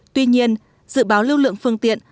tuy nhiên dự báo lưu lượng phương tiện